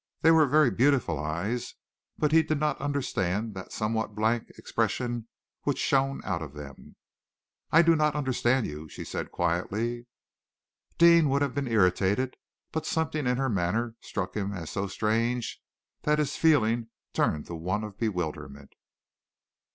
They were very beautiful eyes, but he did not understand the somewhat blank expression which shone out of them. "I do not understand you," she said quietly. Deane would have been irritated, but something in her manner struck him as so strange that his feeling turned to one of bewilderment.